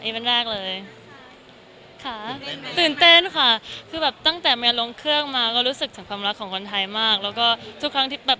รู้สึกสุดชื่นและภูมิใจมากที่เป็นคนไทย